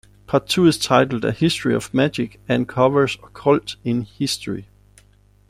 Part two is titled "A History of Magic" and covers occult in history.